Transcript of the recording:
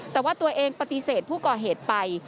แต่ว่าตัวเองปฏิเสธผู้ก่อเหตุไป